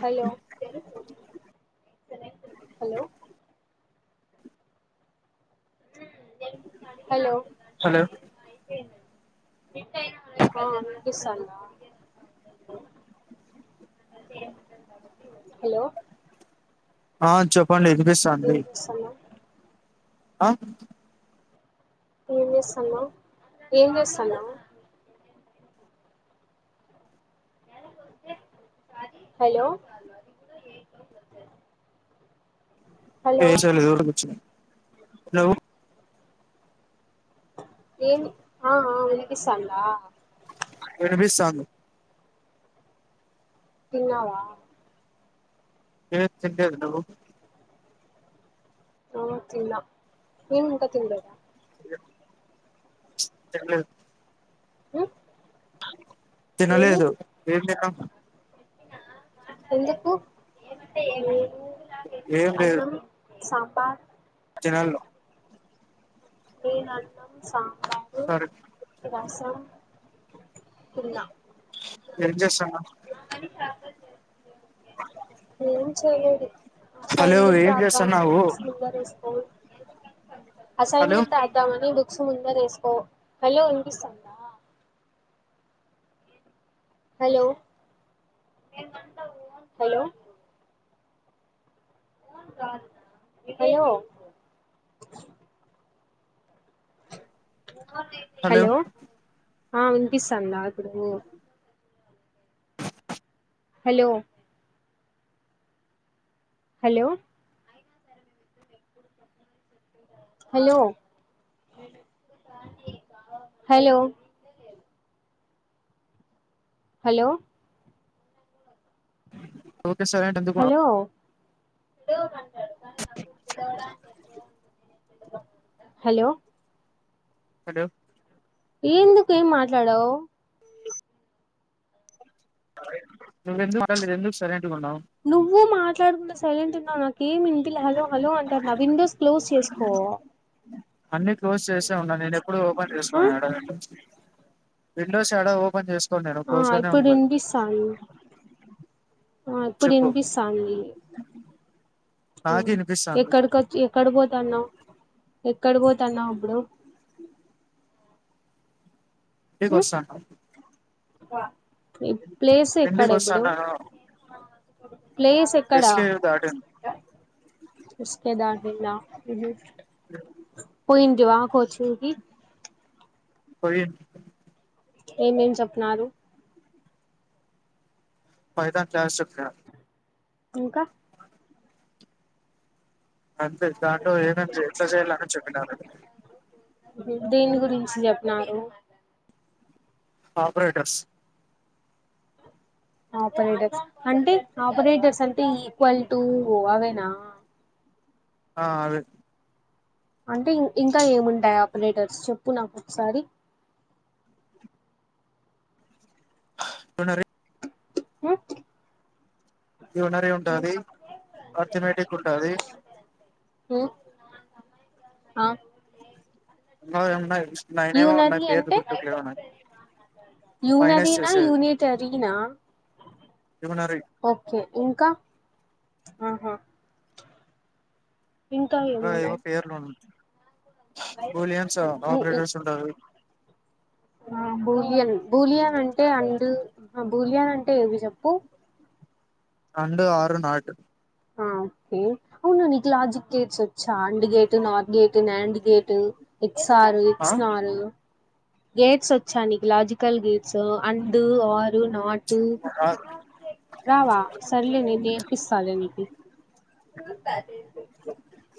Hello hello hello hello ఆ వినిపిస్తందా hello ఆ చెప్పండి ఏం ఇనిపిస్తాది, చేస్తున్నావ్ ఆ ఏం చేస్తనవ్, ఏం చేస్తనవ్ హలో హలో ఏం చేయలేదు ఊరికే కూర్చున్న నేన్ ఆ అ వినిపిస్తందా వినిపిస్తది. తిన్నావా ఎ తినలేదు నువ్వు ఆ తిన్న ఎం ఇంకా తినలేదా తినలేదు హు తినలేదు ఏంతిన్నావ్ ఎందుకు ఏం అన్నం సాంబార్ తిన్న లో వేడి అన్నం, సాంబార్, సరే రసం తిన్న మీరు ఎం చేస్తారు, ఏం చెయలేదు హలో సైలెంట్ ఏం రాధమని చేస్తున్నావు బుక్స్ ముందడ వేసుకొని, హలో అసైన్మెంట్ రాద్దామని బుక్స్ ముందరేసుకో హలో వినిపిస్థాందా హలో హలో హలో ఆ వినిపిస్తాందా ప్పుడూ hello hello hello hello hello okay సారే అంటే ఎందుకు మా హలో హలో హలో ఏందుకు ఏం మాట్లాడవు నువ్వెందుకు మాట్లాడ నేనెందుకు సరే నువ్వు మాట్లాడకుండా సైలెంటున్నావ్ నాకేమినిపియలే హలో హలో అంటన్న విండోస్ క్లోస్ చేసుకోవా అన్ని క్లోజ్ చేసే ఉన్నా నేనెప్పుడూ ఓపన్ ఆ చేసుకోను [unintelligible] విండోస్ ఎడా ఓపన్ చేసుకోన్ నేను ఆ క్లోజ్లోనే ఇప్పుడు ఉంటది వినిపిస్తాంది ఆ చెప్పు ఇప్పుడినిపిస్తాంది నాకే వినిపిస్తాంది ఎక్కడికొచ్చి ఎక్కడపోతాన్నావ్ ఎక్కడపోతన్నావ్ అప్పుడు ఇంటికొస్తాండ ఈ ప్లేస్ ఎక్కడ ఇప్పుడు వస్తాన్నాను ప్లేస్ ఎక్కడా ఎస్కేవ్ దాటింది పొయిందా హుహు [unintelligible] పోయింటివా కోచింగ్ కి పోయి ఏమేమ్ చెప్నారు పైథాన్ క్లాస్ చెప్పిన ఇంక అంతే దాంటలో ఏమేం చెయ్ ఎట్ల చేయాలని చెప్పినారు దేని గురించి చెప్పినాడు ఆపరేటర్స్ ఆపరేటర్స్ అంటె ఆపరేటర్స్ అంటే ఈక్వల్ టూ అవేనా ఆ అదే అంటే ఇంక్ ఇంకా ఏముంటాయ్ ఆపరేటర్స్ చెప్పు నాకొకసారి పొయినా రే [inaudible] యూనరి ఉమ్, ఉంటాది ఆర్థమేటిక్ ఉంటాది ఊ హ వున్నాయ్ ఉన్నాయ్ నైనేమో ఉన్నాయ్ పేర్లు అంటే గుర్తుకులేవు నాకి యూనరీనా యూనిటరినా యూనరీ ఓకే ఇంకా ఆహా ఇంకా అ ఏవో ఏమున్నాయి పేర్లు బోలియాన్స్ ఆ ఈ- ఈ- ఆపరేటర్సుంటారు ఆ బూలియన్ బూలియానంటే అండు అ బూలియాన్ అంటే ఏవి జెప్పు అండ్ ఆర్ నాట్ ఆ ఓకే అవునూ నీకు లాజిక్ గేట్స్ వచ్చా and gate north gate non gate X ఆరు ఆ ఎక్స్ నారు గేట్స్ వచ్చా నీకు లాజికల్ గేట్స్ అండ్ ఆర్ డు నాటు రావా సర్లే నేను నేర్పిస్తా లే నీకి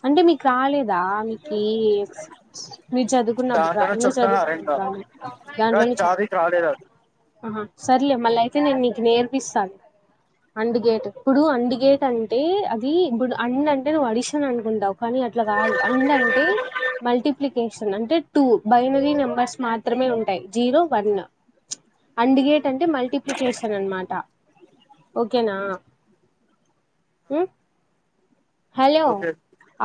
అంటే మీకు రాలేదా మీ ఈ నేను చదువుకున్న అప్పుడు దాంట్లోనే నువ్వు చెప్తున్నారు చదువుకున్నావు ఇంకా డరాలేదా ఇంకా దాంట్లో ని [inaudible] ఆహా సర్లే మల్లా అయితే నేను నీకు నేర్పిస్తాను అండ్ గేటు ఇప్పుడు అండ్ గేట్ అంటే ఈ ఇప్పుడు అండ్ అంటే నువ్వు అడిషన్ అనుకుంటావు కానీ అట్లా కాదు అండ్ అంటే మల్టిప్లికేషన్ అంటే టూ బైనరీ నెంబర్స్ మాత్రమే ఉంటాయి జీరో వన్ అండ్ గేట్ అంటే మల్టిప్లికేషన్ అన్నమాట ఓకే నా ఉ హలో ఓకే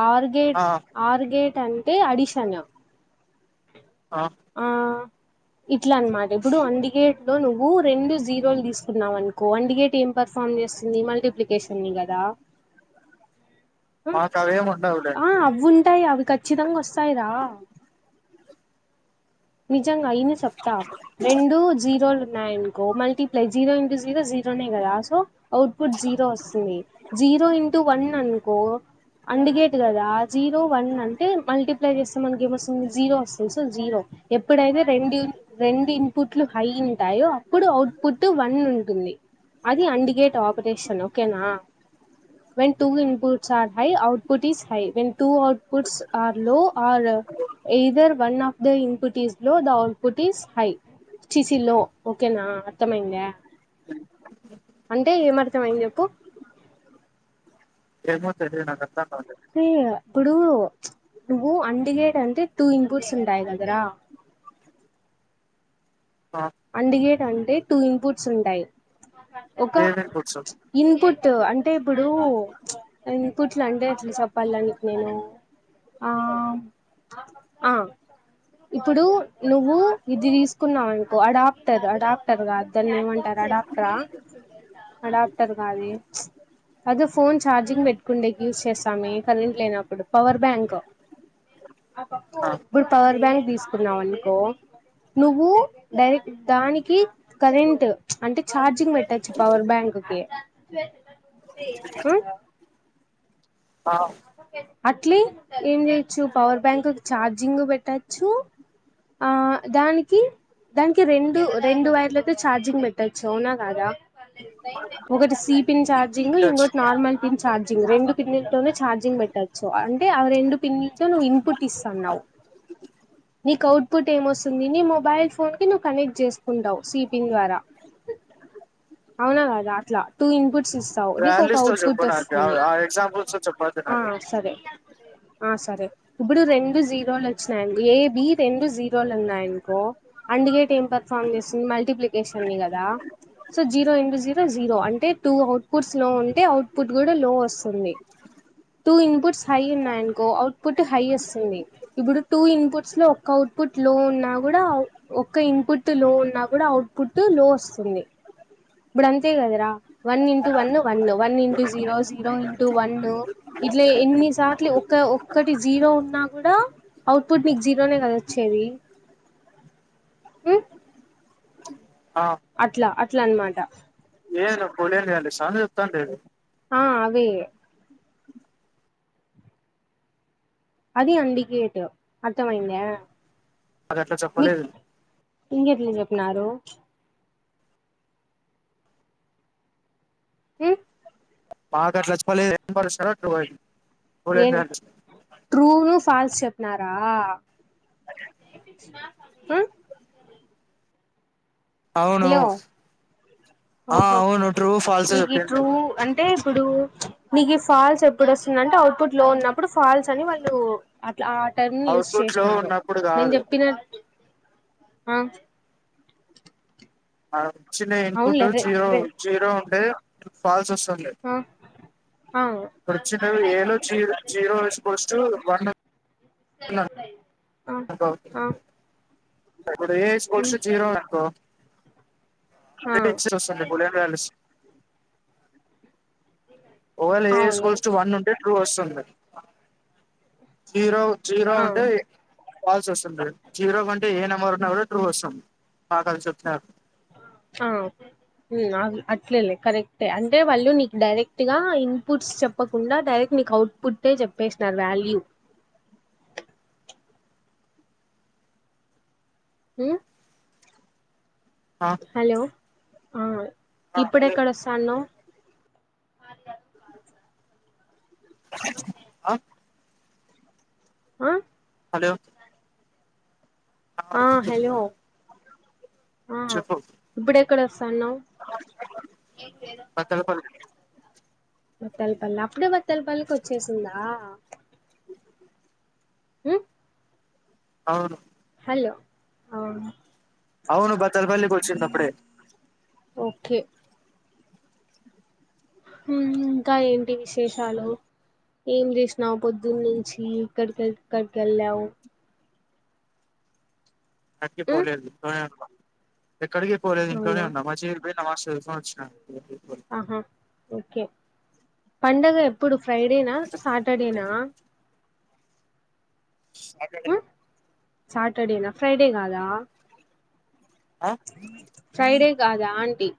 ఆర్ ఆ గేట్ ఆర్ గేట్ అంటే అడిషన్ ఆ ఇట్లా అన్నమాట ఇప్పుడు అండ్ గేట్ లో నువ్వు రెండు జీరోలు తీసుకున్నావు అనుకో అండ్ గేట్ ఏం పర్ఫార్మ్ చేస్తుంది మల్టిప్లికేషన్ ని కదా మాకు అవేమి ఉండవులే ఆ అవింటాయి అవి ఖచ్చితంగా వస్తాయి రా నిజంగా విను చెప్తా రెండు జీరో ఉనాయి అనుకో multiply zero into zero zero కదా సో అఔట్ పట్ జీరో వస్తుంది జీరో ఇంటూ వన్ అనుకో అందుగేట్ కదా జీరో వన్ అంటే మల్టిప్లై చేస్తే మనకి ఏమొస్తుంది జీరో వస్తుంది సో జీరో ఎప్పుడైతే రెండు రెండు ఇన్పుట్లు హై ఉంటాయో ఇప్పుడు అఔట్పుట్ వన్ ఉంటుంది అది అండిగేట్ ఆపరేషన్ ఓకేనా when two inputs are high output is high when two outputs are low or either one of the input is low the output is high చి చి లో ఓకేనా అర్థం అయిందా అంటే ఏం అర్థం అయింది చెప్పు ఏమో తెలీదు నాకు అర్థం కల రే ఇప్పుడు నువ్వు అండగేట్ అంటే టూ ఇన్పుుట్స్ ఉంటాయి కదర ఆ అందుగేట్ అంటే టూ ఇన్పుట్స్ ఉంటాయి ఒక ఏమేం కూర్చో ఇన్పుట్ ట్ అంటే ఇప్పుడు ఇన్పుట్లు అంటే ఇట్లా చెప్పాలని నేను ఆ ఆ ఇప్పుడు నువ్వు ఇది తీసుకున్నావు అనుకో అడాప్టర్ అడాప్టర్ కా దాని ఏమ అడాప్టర్ ఆ అడాప్టర్ కాదే ఏదో ఫోన్ ఛార్జింగ్ పెట్టు కుండేకి యూజ్ చేస్తామ కరెంట్ లేనప్పుడు పవర్ బ్యాంక్ ఆ ఇప్పుడు పవర్ బ్యాంక్ తీసుకున్నామం నువ్వు డైరెక్ట్ దానికి కరెంట్ అంటే చార్జింగ్ పెట్టచ్చు పవర్ బ్యాంక్ కి ఆ అట్లీ ఏం చేయచ్చు పవర్ బ్యాంక్ చార్జింగ్ పెట్టచ్చు ఆ దానికి దానికి రెండు రెండు వైర్లు అయితే ఛార్జింగ్ పెట్టొచ్చు అవునా కాదా ఒకటి సి పిన్ ఛార్జింగ్ పెట్టచ్చు ఇంకోకటి నార్మల్ పిన్ ఛార్జింగ్ రెండు పిన్నిలు చార్జింగ్ ఛార్జింగ్ పెట్టచ్చు అంటే ఆ రెండు పిన్లు తో నువ్వు ఇన్పుట్ ఇస్తున్నావు నీకు అవుట్ పుట్ ఏమొస్తుంది నీ మొబైల్ ఫోన్ కి నువ్వు కనెక్ట్ చేసుకుంటావు సీపింగ్ ద్వారా అవునా కదా అట్లా టూ ఇన్పుట్ స్తావు నీకు ఒక వాల్యూస్ తో చెప్పు అవుట్పుట్ నాకు వస్తుంది ఆ ఎగ్జాంపుల్స్ తో చెప్పద్దు ఆ నాకు సరే ఆ సరే ఇప్పుడు రెండు జీరోలు వచ్చిన ఏ బి రెండు జీరోలు ఉన్నాయినుకో అండ్ గేట్ ఏం పర్ఫామ్ చేసింది మల్టిప్లికేషన్ ని కదా so zero into zero zero అంటే టూ అవుట్పుట్స్ లో ఉంటే అవుట్పుట్ కూడా లో వస్తుంది టూ ఇన్పుట్స్ హై ఉన్నాయనుకో అవుట్పుట్ హై వస్తుంది ఇప్పుడు టూ ఇన్పుట్ స్ లో ఒక్క అవుట్పుట్ లో ఉన్నా కూడా ఒక్క ఇన్పుట్ లో ఉన్నా కూడా అవుట్పుట్ లో వస్తుంది ఏ ఇప్పుడు అంతే కదరా one into one one one into zero zero into one ఇట్లా ఎన్ని సాట్ల ఒక్క ఒక్కటి జీరో ఉన్నా కూడా అవుట్పుుట్ నీకు జీరోనే కద వచ్చేది ఉమ్, ఆ అట్లా అట్లా అన్నమాట లేదు నిను ఫోన్ ఎమ్ చెయ్యనులే స్వామి [unintelligible] ఆ అవి అది ఇన్డికేటు అర్థం అయ్యిందా వాళ్ళు అట్లా చెప్పలేదు లే న్నారు హ నాకు అట్లా రెస్పాండ్ [unintelligible] అట్లా పొయింది ట్రూను ఫాల్స్ చెప్పినారా ఆ అవును హలో ఆ ఓప్ ఓప్ అవును ట్రూ ఫాల్స్ మీకు చెప్పింది ట్రూ అన్ అంటే ఇప్పుడు నీకు ఫాల్స్ ఎప్పుడు వస్తుందంటే అవుట్పుట్ లో ఉన్నప్పుడు ఫాల్స్ అని వాళ్ళు ఆ టర్మ్ ని యూస్ అవుట్పుట్ లో చేసినారు ఉన్నప్పుడు నేను కాదు చెప్పిన ఆ ఆ చిన్న ఇన్పుట్ అవునులే రే జీరో రే జీరో ఉంటాది ఫాల్స్ వస్తు ఆ ఆ ఇప్పుడు ఇచ్చినవి ఏదో జీరో జీరో ఇజీకొల్ట్ ఆ ఆ [inaudible] ఏ ఉమ్ ఇజికొల్ట్ జీరో అనుకొ ఆ ఒక్కటి ఇచ్చి [unintelligible] ఓవేన్ ఏ అవును స్కోల్స్ టూ వన్ ఉంటే టూ వస్తుంది జీరో ఆ ఉంటే జీరో ఉంటే ఏ నెంబర్ ఉన్నా కూడ ట్రూ వస్తుంది ఆ అట్లేలే కరెక్టే అంటే వాళ్ళు నీకు డైరెక్ట్ గా ఇన్పుట్స్ చెప్పకుండా డైరెక్ట్ నీకు అవుట్ పుట్టే చెప్పేసినారు వాల్యూ నా ఆ హలో ఆ ఇప్పుడు హలో ఏక్కడ వస్తాన్నావ్ ఆ ఆ హలో ఆ హలో చెప్పు హలో బత్తలపల్లి బత్తలపల్లి అప్పుడే బత్తలపల్లికి వచ్చేసిందా మ్మ్ అవును అలో అవును అవును బత్తలపల్లి కి వచ్చింది అప్పుడే ఓకే మ్మ్ ఇంకా ఏంటి విశేషాలు ఏం చేసినావు పొద్దున్న నుంచి ఎక్కడికి ఎక్కడికి కెళ్ళావు అక్కడికి ఉమ్ పోలేదు ఇంట్లోనే ఉన్నా ఎక్కడికి పోలేదు ఇంట్లోనే అవునా ఉన్నామ [unintelligible] వచ్చిన ఆహా ఓకే పండగ ఎప్పుడు ఫ్రైడేనా సాటర్డేనా అక్కడే ఉమ్ సాటర్డేనా ఫ్రైడే కాదా ఆ ఫ్రైడే కాదా ఆంటీ